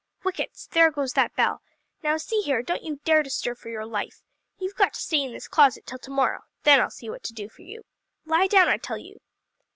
"Whickets! there goes that bell! Now see here, don't you dare to stir for your life! You've got to stay in this closet till to morrow then I'll see what to do for you. Lie down, I tell you."